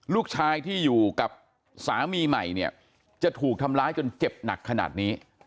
ลูกชายที่อยู่กับสามีใหม่เนี่ยจะถูกทำร้ายจนเจ็บหนักขนาดนี้